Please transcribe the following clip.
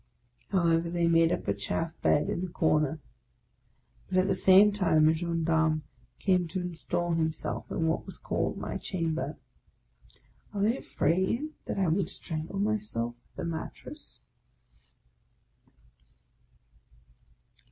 " However they made up a chaff bed in the corner. But at the same time a gendarme came to install himself in what was called my chamber. Are they afraid that I would strangle myself with the mattress?